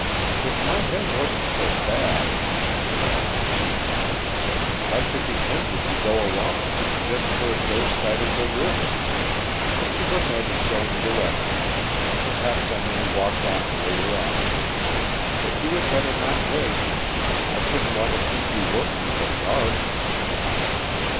"If my head wasn't so bad," she added deceitfully, "I should be tempted to go along, just for a dose sight of the river. Mr. Burnett is going directly perhaps I may walk down later on. But you had better not wait I shouldn't want to keep you working till dark."